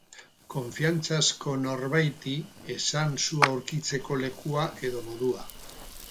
Konfiantzazko norbaiti esan zu aurkitzeko lekua edo modua.